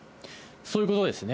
そういうことですね。